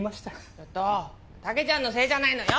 ちょっと竹ちゃんのせいじゃないのよ！